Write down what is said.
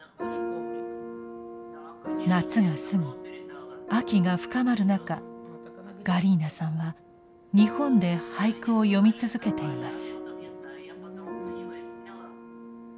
夏が過ぎ秋が深まる中ガリーナさんは日本で俳句を詠み続けています。